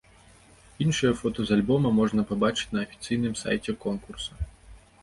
Іншыя фота з альбома можна пабачыць на афіцыйным сайце конкурса.